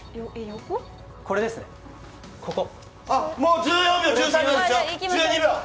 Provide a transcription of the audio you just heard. これですね、ここ。